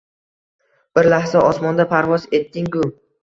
Bir lahza osmonda parvoz etdingu